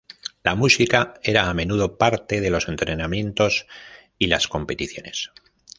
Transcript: La música era a menudo parte de los entrenamientos y las competiciones.